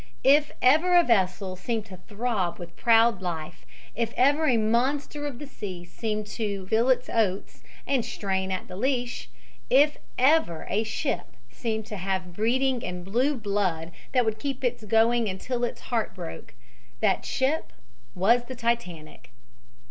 If ever a vessel seemed to throb with proud life, if ever a monster of the sea seemed to "feel its oats" and strain at the leash, if ever a ship seemed to have breeding and blue blood that would keep it going until its heart broke, that ship was the Titanic.